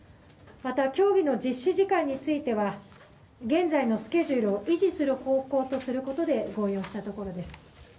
また、競技の実施時間については現在のスケジュールを維持する方向で合意をしたところです。